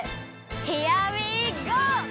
ヒアウィーゴー！